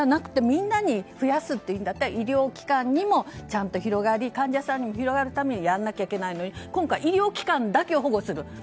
みんなに増やすなら医療機関にもちゃんと広がり患者に広がるためにやらなきゃいけないのに今回、医療機関だけを保護する。